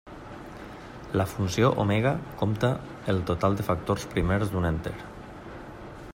La funció Omega compta el total de factors primers d'un enter.